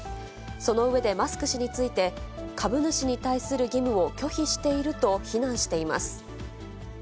その上でマスク氏について、株主に対する義務を拒否していると非難しています。